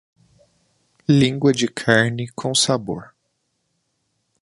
Lingua de carne com sabor